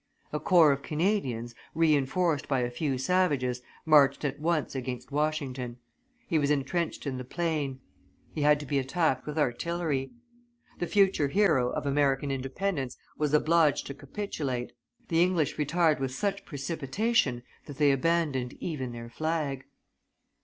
A corps of Canadians, re enforced by a few savages, marched at once against Washington; he was intrenched in the plain; he had to be attacked with artillery. The future hero of American independence was obliged to capitulate; the English retired with such precipitation that they abandoned even their flag.